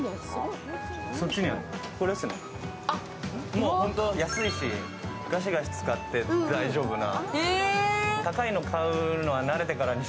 もう本当、安いし、ガシガシ使って大丈夫な。